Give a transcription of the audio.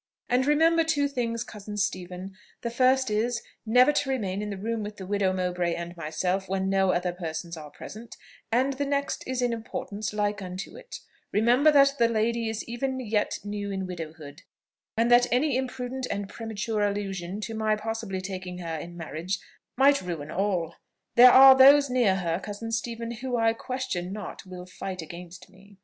And remember two things, cousin Stephen: the first is, never to remain in the room with the widow Mowbray and myself, when no other persons are present; and the next is in importance like unto it, remember that the lady is even yet new in widowhood, and that any imprudent and premature allusion to my possibly taking her in marriage might ruin all. There are those near her, cousin Stephen, who I question not will fight against me."